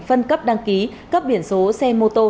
phân cấp đăng ký cấp biển số xe mô tô